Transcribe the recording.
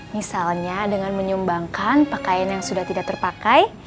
misalnya dengan menyumbangkan pakaian yang sudah tidak terpakai